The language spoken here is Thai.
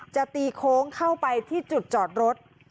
จะตีโค้งเข้าไปที่จุดจอดรถ